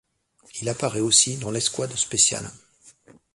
Il apparaît aussi dans l'escouade spéciale.